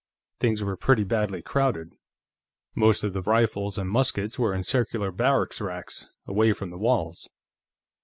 Things were pretty badly crowded; most of the rifles and muskets were in circular barracks racks, away from the walls.